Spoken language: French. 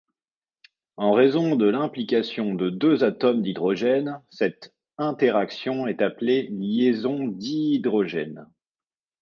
En raison de l'implication de deux atomes d'hydrogène, cette interaction est appelée liaison dihydrogène.